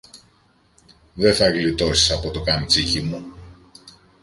δε θα γλιτώσεις από το καμτσίκι μου.